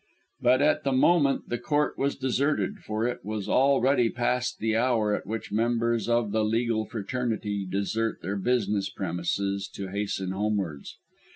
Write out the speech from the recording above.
But at the moment the court was deserted, for it was already past the hour at which members of the legal fraternity desert their business premises to hasten homewards.